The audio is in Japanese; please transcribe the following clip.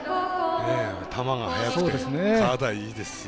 球が速くて、体いいですしね。